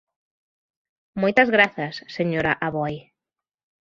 Moitas grazas, señora Aboi.